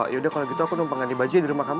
yaudah kalau gitu aku numpang ganti baju di rumah kamu